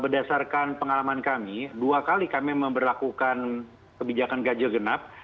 berdasarkan pengalaman kami dua kali kami memperlakukan kebijakan ganjil genap